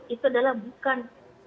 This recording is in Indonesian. itu adalah bukan